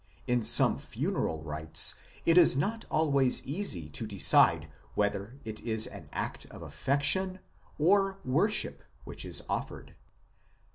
In some funeral rites it is not always easy to decide whether it is an act of affection or worship which is offered.